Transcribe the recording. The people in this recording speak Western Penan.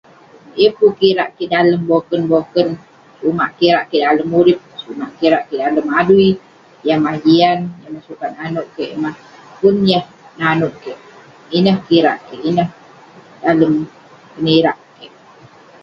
Yeng pun kirak kik dalem boken boken, sumak kirak kik dalem urip, sumak kirak kik dalem adui, yah mah jian, yah sukat nanouk kik, pun yah nanouk kik..ineh kik kirak kik..ineh dalem kenirak kik..